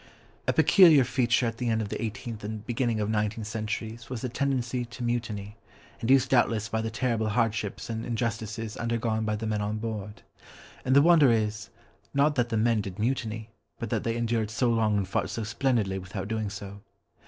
A peculiar feature of the end of the eighteenth and beginning of nineteenth centuries was the tendency to mutiny, induced doubtless by the terrible hardships and injustices undergone by the men on board. And the wonder is, not that the men did mutiny, but that they endured so long and fought so splendidly without doing so.